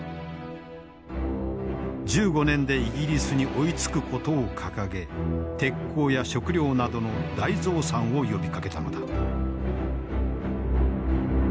１５年でイギリスに追いつくことを掲げ鉄鋼や食料などの大増産を呼びかけたのだ。